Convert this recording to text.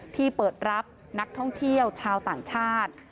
ที่เปิดรับนักท่องเที่ยวชาวต่างชาติ